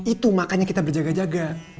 itu makanya kita berjaga jaga